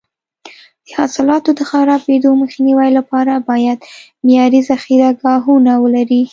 د حاصلاتو د خرابېدو مخنیوي لپاره باید معیاري ذخیره ګاهونه ولري.